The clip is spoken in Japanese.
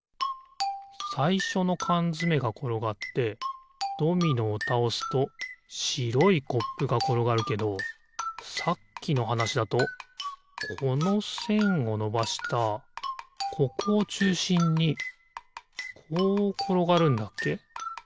さいしょのかんづめがころがってドミノをたおすとしろいコップがころがるけどさっきのはなしだとこのせんをのばしたここをちゅうしんにこうころがるんだっけ？